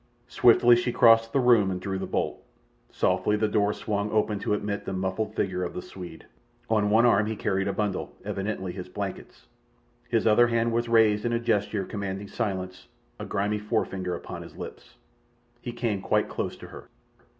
Swiftly she crossed the room and drew the bolt. Softly the door swung open to admit the muffled figure of the Swede. On one arm he carried a bundle, evidently his blankets. His other hand was raised in a gesture commanding silence, a grimy forefinger upon his lips. He came quite close to her.